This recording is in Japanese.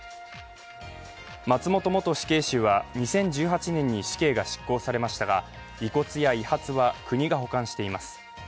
松本元死刑囚は２０１８年に死刑が執行されましたが、遺骨や遺髪は国が保管しています。